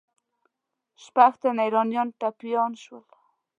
شپږ تنه ایرانیان ټپیان سول.